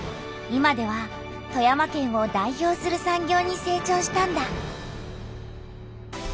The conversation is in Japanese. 今では富山県を代表する産業にせい長したんだ。